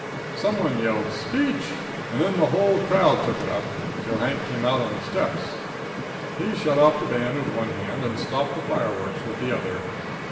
Some one yelled speech, and then the whole crowd took it up, till Hank came out on the steps. He shut off the band with one hand and stopped the fireworks with the other.